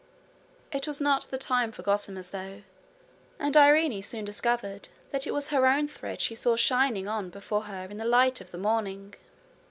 It was not the time for gossamers though; and Irene soon discovered that it was her own thread she saw shining on before her in the light of the morning.